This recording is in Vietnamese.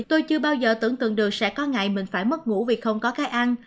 tôi chưa bao giờ tưởng tượng được sẽ có ngày mình phải mất ngủ vì không có cái ăn